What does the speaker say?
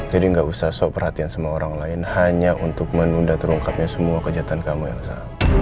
jadi gak usah sok perhatian sama orang lain hanya untuk menunda terungkapnya semua kejahatan kamu elsa